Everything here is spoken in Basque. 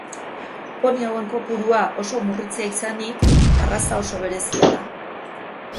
Poni hauen kopurua oso murritza izanik, arraza oso berezia da.